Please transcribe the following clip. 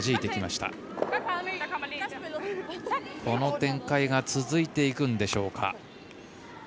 この展開が続いていくんでしょうか。